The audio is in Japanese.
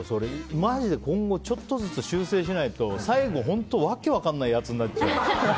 マジで今後ちょっとずつ修正しないと最後、本当訳分からないやつになっちゃう。